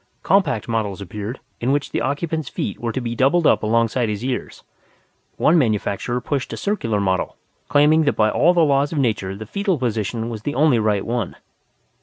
Compact models appeared, in which the occupant's feet were to be doubled up alongside his ears. One manufacturer pushed a circular model, claiming that by all the laws of nature the foetal position was the only right one.